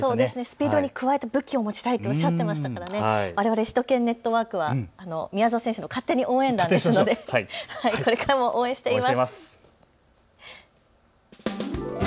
スピードに加えて武器を持ちたいとおっしゃっていましたから首都圏ネットワークは宮澤選手の勝手に応援団なのでこれからも応援しています。